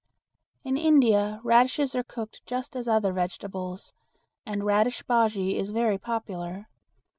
In India radishes are cooked just as other vegetables, and radish bujea is very popular.